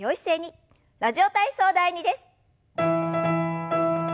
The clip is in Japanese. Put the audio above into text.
「ラジオ体操第２」です。